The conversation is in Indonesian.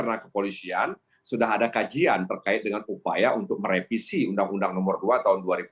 karena di internal kepolisian sudah ada kajian terkait dengan upaya untuk merevisi undang undang nomor dua tahun dua ribu dua